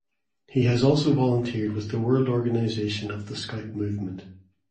He has also volunteered with the World Organization of the Scout Movement.